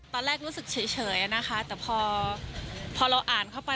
รู้สึกเฉยนะคะแต่พอเราอ่านเข้าไป